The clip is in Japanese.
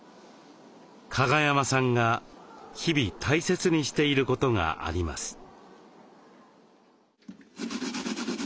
加賀山さんが日々大切にしていることがあります。